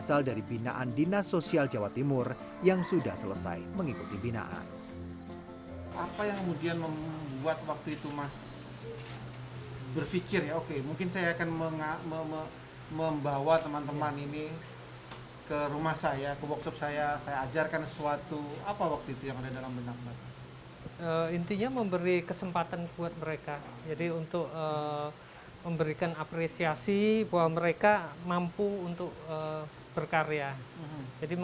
adaptasi itu dalam arti